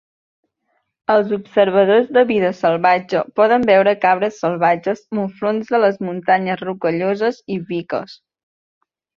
Els observadors de vida salvatge poden veure cabres salvatges, muflons de les Muntanyes Rocalloses i piques.